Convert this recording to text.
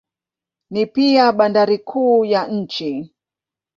Ni pia bandari kuu ya nchi.